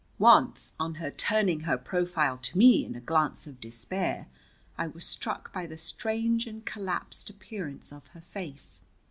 Once, on her turning her profile to me in a glance of despair, I was struck by the strange and collapsed appearance of her face.